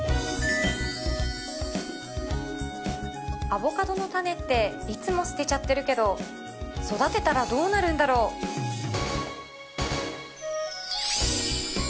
アボカドの種っていつも捨てちゃってるけど育てたらどうなるんだろう先生